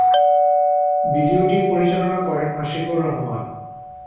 ভিডিওটি পরিচালনা করেন আশিকুর রহমান।